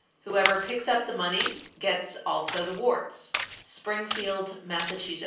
Whoever picks up the money gets also the warts. Springfield, Mass. 903.